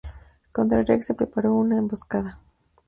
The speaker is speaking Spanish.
Contra el Rex se preparó una emboscada.